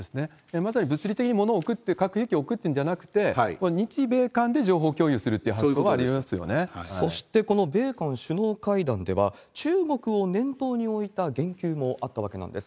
まさに物理的に物を送って、核兵器を置くっていうんじゃなくて、日米韓で情報共有するというそしてこの米韓首脳会談では、中国を念頭に置いた言及もあったわけなんです。